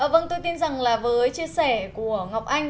vâng tôi tin rằng là với chia sẻ của ngọc anh